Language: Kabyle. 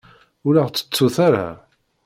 Ur aɣ-ttettut ara.